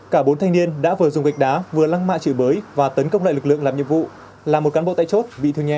cả bốn thanh niên đã vừa dùng gạch đá vừa lăng mạ chửi bới và tấn công lại lực lượng làm nhiệm vụ là một cán bộ tại chốt bị thương nhẹ